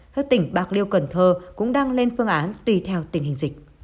các tỉnh bạc liêu cần thơ cũng đang lên phương án tùy theo tình hình dịch